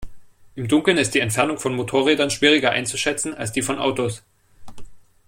Im Dunkeln ist die Entfernung von Motorrädern schwieriger einzuschätzen, als die von Autos.